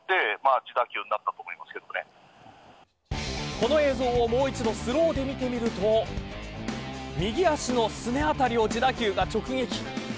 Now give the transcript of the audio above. この映像をもう一度、スローで見てみると右足のすね辺りを自打球が直撃。